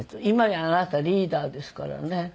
今やあなたリーダーですからね。